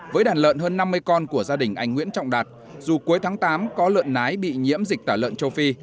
với đàn lợn hơn năm mươi con của gia đình anh nguyễn trọng đạt dù cuối tháng tám có lợn nái bị nhiễm dịch tả lợn châu phi